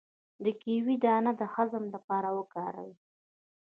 د کیوي دانه د هضم لپاره وکاروئ